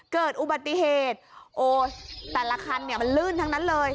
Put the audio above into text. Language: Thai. เกิดอุบัติเหตุโอ้แต่ละคันเนี่ยมันลื่นทั้งนั้นเลย